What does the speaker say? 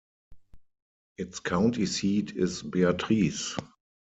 Its county seat is Beatrice.